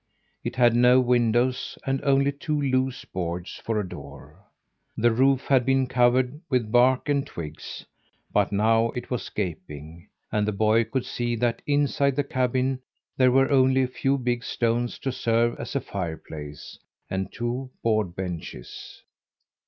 It had no windows and only two loose boards for a door. The roof had been covered with bark and twigs, but now it was gaping, and the boy could see that inside the cabin there were only a few big stones to serve as a fireplace, and two board benches.